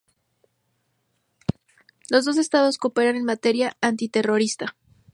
Los dos estados cooperan en materia antiterrorista.